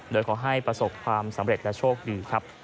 โดยขอให้ประสบความสำเร็จและโชคดีครับ